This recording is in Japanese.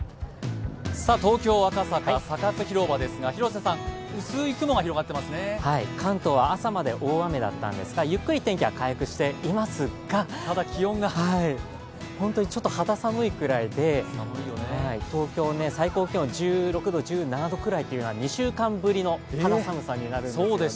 東京・赤坂、サカス広場ですが関東は朝まで大雨だったんですがゆっくり天気は回復していますが肌寒いくらいで、東京、最高気温１６度、１７度くらいというのは２週間ぶりの肌寒さになるんですよね。